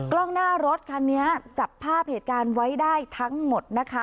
กล้องหน้ารถคันนี้จับภาพเหตุการณ์ไว้ได้ทั้งหมดนะคะ